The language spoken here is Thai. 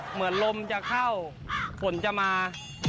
เหมือนลมจะเข้าฝนจะมา